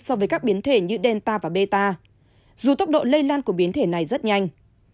so với các biến thể như delta và beta dù tốc độ lây lan của biến thể này rất nhanh